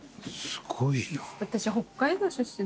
すごいなぁ。